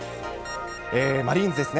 マリーンズですね。